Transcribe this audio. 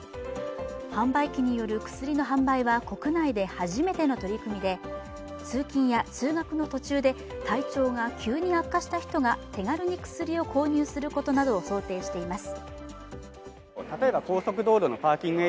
販売機による薬の販売は国内で初めての取り組みで通勤や通学の途中で体調が急に悪化した人が手軽に薬を購入することなどを想定しています。